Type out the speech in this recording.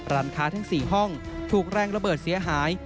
ร้านค้าทั้ง๔ห้องถูกแรงระเบิดเสียหาย